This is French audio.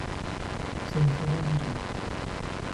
Ça ne fait rien du tout.